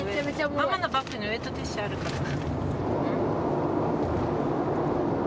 ママのバッグにウエットティッシュあるから。